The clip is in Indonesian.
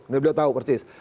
nanti beliau tahu persis